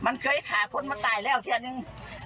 มันเคยหาคนมันตายแล้วเทียดหนึ่ง